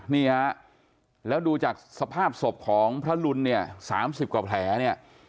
นี่ฮะแล้วดูจากสภาพศพของพระรุนเนี่ย๓๐กว่าแผลเนี่ย